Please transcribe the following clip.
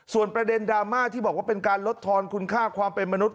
ส่วนประเด็นดราม่าที่บอกว่าเป็นการลดทอนคุณค่าความเป็นมนุษย